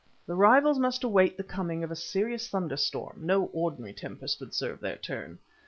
The rivals must await the coming of a serious thunderstorm, no ordinary tempest would serve their turn.